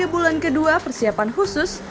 tiga bulan kedua persiapan khusus